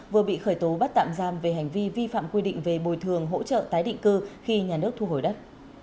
vừa bị khởi tố bắt tạm giam về hành vi vi phạm quy định về bồi thường hỗ trợ tái định cư khi nhà nước thu hồi đất